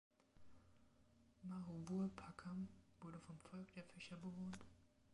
Maruvurpakkam wurde vom Volk der Fischer bewohnt.